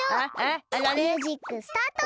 ミュージックスタート！